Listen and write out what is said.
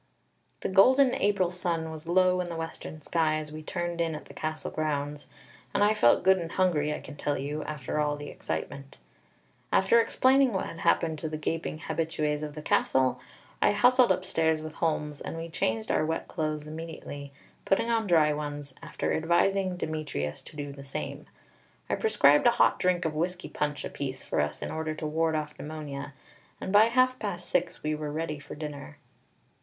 The golden April sun was low in the western sky as we turned in at the castle grounds, and I felt good and hungry, I can tell you, after all the excitement. After explaining what had happened to the gaping habitués of the castle, I hustled upstairs with Holmes, and we changed our wet clothes immediately, putting on dry ones, after advising Demetrius to do the same. I prescribed a hot drink of whiskey punch apiece for us in order to ward off pneumonia; and by half past six we were ready for dinner.